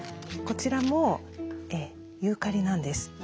こちらもユーカリなんです。